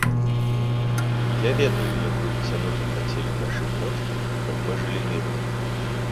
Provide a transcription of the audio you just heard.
Я ведаю, якую цану заплацілі нашы продкі, каб мы жылі мірна.